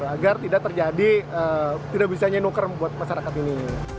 agar tidak terjadi tidak bisanya nuker buat masyarakat ini